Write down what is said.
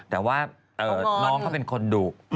แต่ว่าน้องเขาเป็นคนดุ